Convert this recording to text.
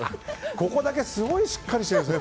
ここだけすごいしっかりしているんですね。